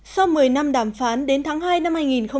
sau một mươi năm đàm phán đến tháng hai năm hai nghìn một mươi chín